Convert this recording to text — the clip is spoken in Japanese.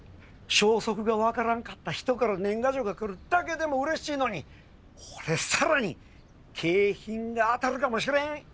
消息が分からんかった人から年賀状が来るだけでもうれしいのにこれさらに景品が当たるかもしれん。